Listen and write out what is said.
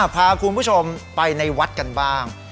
พาคุณผู้ชมไปในวัดกันบ้าง